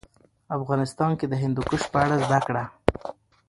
افغانستان کې د هندوکش په اړه زده کړه.